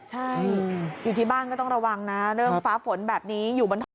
ใช่อยู่ที่บ้านก็ต้องระวังนะเรื่องฟ้าฝนแบบนี้